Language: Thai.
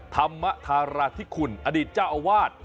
ธรรมธาราธิคุณอดีตเจ้าอาวาส